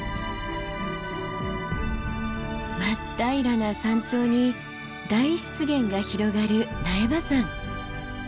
真っ平らな山頂に大湿原が広がる苗場山。